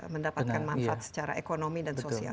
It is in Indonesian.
mendapatkan manfaat secara ekonomi dan sosial